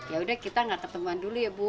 yaudah kita gak ketemuan dulu ya bu